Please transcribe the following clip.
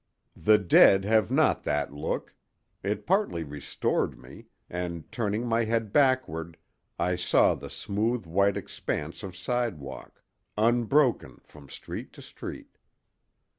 The dead have not that look—it partly restored me, and turning my head backward, I saw the smooth white expanse of sidewalk, unbroken from street to street.